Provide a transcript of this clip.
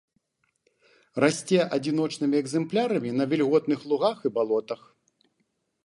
Расце адзіночнымі экземплярамі на вільготных лугах і балотах.